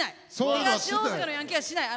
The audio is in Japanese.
東大阪のヤンキーはしない。